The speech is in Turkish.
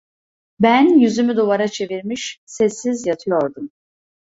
Ben yüzümü duvara çevirmiş, sessiz yatıyordum.